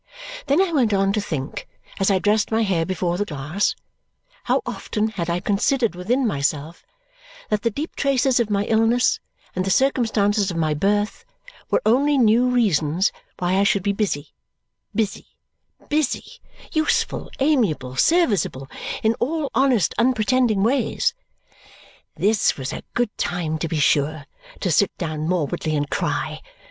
Then I went on to think, as I dressed my hair before the glass, how often had I considered within myself that the deep traces of my illness and the circumstances of my birth were only new reasons why I should be busy, busy, busy useful, amiable, serviceable, in all honest, unpretending ways. This was a good time, to be sure, to sit down morbidly and cry!